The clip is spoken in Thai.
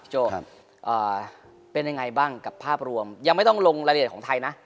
โจ้เป็นยังไงบ้างกับภาพรวมยังไม่ต้องลงรายละเอียดของไทยนะ